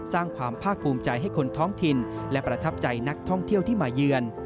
สร้างความภาคภูมิใจให้คนท้องถิ่นและประทับใจนักท่องเที่ยวที่มาเยือน